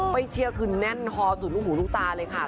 ไปเชียร์คืนนั่นฮอสู่ลูกหูลูกตาเลยค่ะ